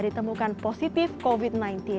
ditemukan positif covid sembilan belas